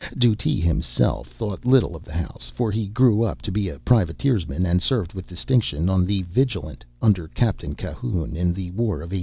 Dutee himself thought little of the house, for he grew up to be a privateersman, and served with distinction on the Vigilant under Captain Cahoone in the War of 1812.